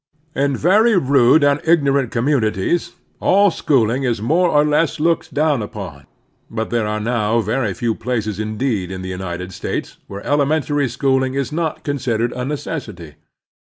In very rude and ignorant com munities all schooling is more or less looked down upon; but there are now very few places indeed in the United States where elementary schooling is not considered a necessity.